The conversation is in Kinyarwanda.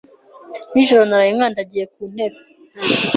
Nijoro naraye nkandagiye kuntebe.